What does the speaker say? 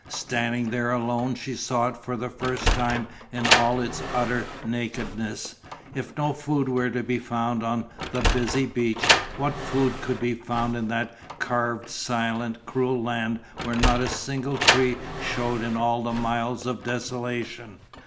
Standing there alone she saw it for the first time in all its utter nakedness. If no food were to be found on the busy beach, what food could be found in that carved, silent, cruel land where not a single tree shewed in all the miles of desolation?